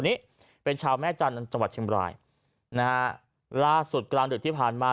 นี้เป็นชาวแม่จันทร์จังหวัดเชียงบรายนะฮะล่าสุดกลางดึกที่ผ่านมา